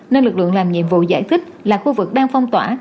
nơi lực lượng làm nhiệm vụ giải thích là khu vực đang phong tỏa